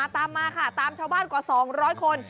ตามมาค่ะตามชาวบ้านกว่า๒๐๐คน